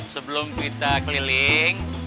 sebelum kita keliling